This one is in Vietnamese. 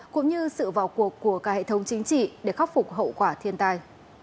cũng như sự vào cuộc của các hệ thống chính trị để khắc phục hậu quả thiên tài